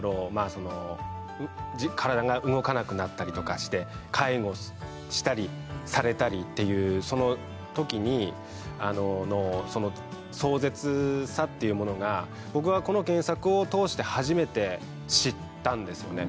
その体が動かなくなったりとかして介護したりされたりっていうその時にあのその壮絶さっていうものが僕はこの原作を通して初めて知ったんですよね